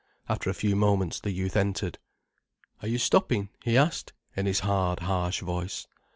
After a few moments, the youth entered. "Are you stopping?" he asked in his hard, harsh voice.